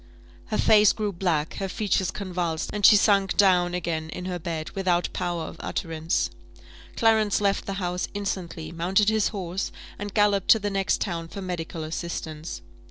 Her face grew black, her features convulsed, and she sunk down again in her bed, without power of utterance. Clarence left the house instantly, mounted his horse, and galloped to the next town for medical assistance.